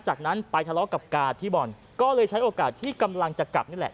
จากนั้นไปทะเลาะกับกาที่บ่อนก็เลยใช้โอกาสที่กำลังจะกลับนี่แหละ